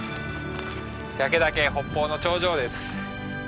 焼岳北峰の頂上です。